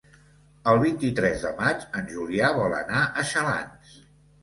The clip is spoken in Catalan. El vint-i-tres de maig en Julià vol anar a Xalans.